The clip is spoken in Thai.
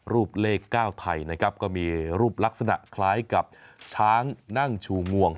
รูปเลข๙ไทยนะครับก็มีรูปลักษณะคล้ายกับช้างนั่งชูงวง